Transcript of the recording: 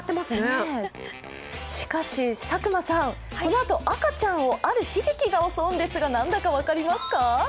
しかし、佐久間さん、このあと赤ちゃんをある悲劇が襲うんですが何だか分かりますか？